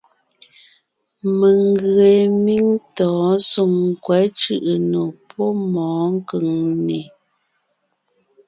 Mèŋ ngee míŋ tɔ̌ɔn Soŋkwɛ̌ Cʉ̀ʼʉnò pɔ́ mɔ̌ɔn Kʉŋnè.